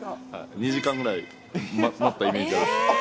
２時間ぐらい待ったイメージがある。